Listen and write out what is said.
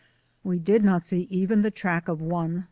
We did not see even the track of one.